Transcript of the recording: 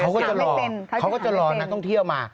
เขาก็จะรอต้องเที่ยวมา